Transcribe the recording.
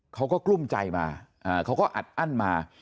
กลุ้มใจมาเขาก็อัดอั้นมา